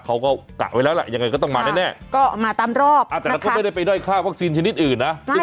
กะไว้แล้วล่ะยังไงก็ต้องมาแน่ก็มาตามรอบแต่เราก็ไม่ได้ไปด้อยค่าวัคซีนชนิดอื่นนะ